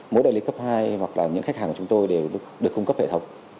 mỗi đại lý cấp hai hoặc là những khách hàng của chúng tôi đều được cung cấp hệ thống